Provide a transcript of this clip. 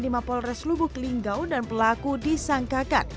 di mapolres lubuk linggau dan pelaku disangkakan